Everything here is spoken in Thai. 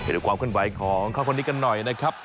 ดูความขึ้นไหวของเขาคนนี้กันหน่อยนะครับ